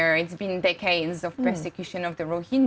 sudah berulang ulangnya persekutuan rohingya